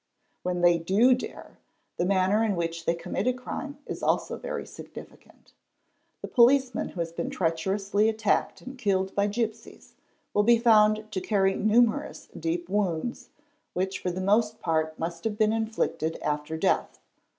When they do dare, the manner in which they commit a crime is also very significant. The policeman who has been treacherously attacked and killed by gipsies will be found to carry numerous deep wounds—which for the most part must have been inflicted after death.